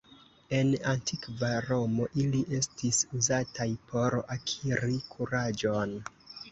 En Antikva Romo ili estis uzataj por akiri kuraĝon.